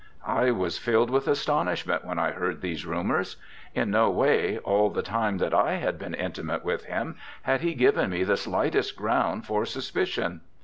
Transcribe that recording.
I was filled with astonishment when I heard these rumours. In no way, all the time that I had been intimate with him, had he given me the slightest ground for suspicion.